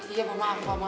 iya maaf pak